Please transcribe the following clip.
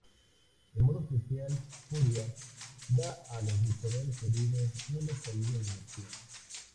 El modo especial "furia" da a los luchadores heridos un estallido de energía.